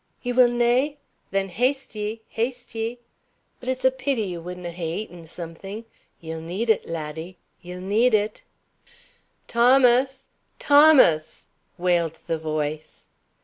"You will na? Then haste ye haste ye. But it's a peety you wadna ha'e eaten something. Ye'll need it, laddie; ye'll need it." "Thomas! Thomas!" wailed the voice.